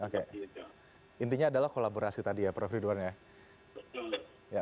oke intinya adalah kolaborasi tadi ya prof ridwan ya